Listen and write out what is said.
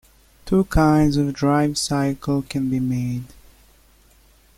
Two kinds of drive cycle can be made.